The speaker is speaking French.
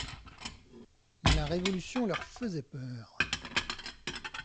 La Révolution leur faisait peur.